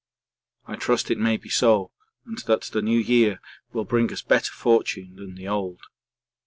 I trust it may be so and that the New Year will bring us better fortune than the old.